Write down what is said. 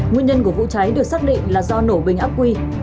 nguyên nhân của vụ cháy được xác định là do nổ bình ác quy